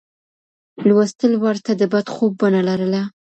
لوستل ورته د بد خوب بڼه لرله.